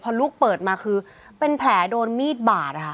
พอลูกเปิดมาคือเป็นแผลโดนมีดบาดค่ะ